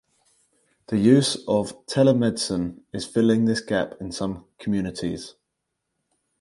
The use of telemedicine is filling this gap in some communities.